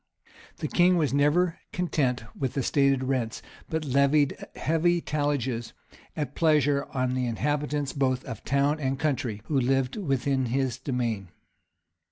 The king was never content with the stated rents, but levied heavy talliages at pleasure on the inhabitants both of town and, country who lived within his demesne.